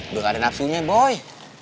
udah ada nafsunya boy